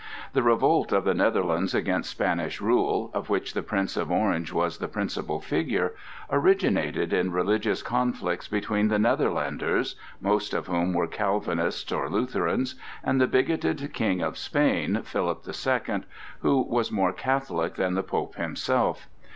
The revolt of the Netherlands against Spanish rule, of which the Prince of Orange was the principal figure, originated in religious conflicts between the Netherlanders—most of whom were Calvinists or Lutherans—and the bigoted King of Spain, Philip the Second, who was more Catholic than the Pope himself.